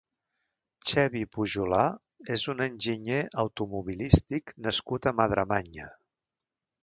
Xevi Pujolar és un enginyer automobilístic nascut a Madremanya.